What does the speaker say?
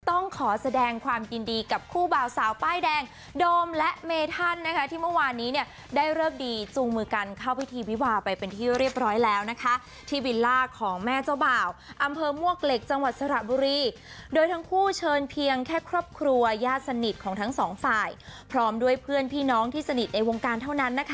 ต้องขอแสดงความยินดีกับคู่บ่าวสาวป้ายแดงโดมและเมธันนะคะที่เมื่อวานนี้เนี่ยได้เลิกดีจูงมือกันเข้าพิธีวิวาไปเป็นที่เรียบร้อยแล้วนะคะที่วิลล่าของแม่เจ้าบ่าวอำเภอมวกเหล็กจังหวัดสระบุรีโดยทั้งคู่เชิญเพียงแค่ครอบครัวญาติสนิทของทั้งสองฝ่ายพร้อมด้วยเพื่อนพี่น้องที่สนิทในวงการเท่านั้นนะคะ